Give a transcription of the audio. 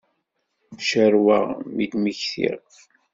Ccarweɣ mi d-mmektiɣ.